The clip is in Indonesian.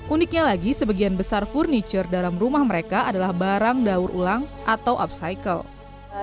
uniknya lagi sebagian besar furniture dalam rumah mereka adalah barang daur ulang atau upcycle